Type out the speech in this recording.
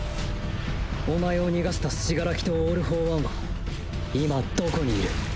おまえを逃がした死柄木とオール・フォー・ワンは今どこにいる。